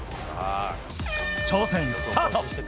挑戦スタート。